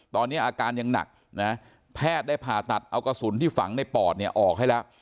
ตอนนี้อาการยังหนักนะแพทย์ได้ผ่าตัดเอากระสุนที่ฝังในปอดเนี่ยออกให้แล้ว